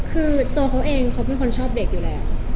คือตัวเขาเองเขาเป็นคนชอบเด็กอยู่แล้ว